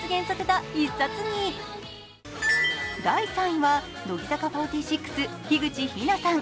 第３位は乃木坂４６、樋口日奈さん。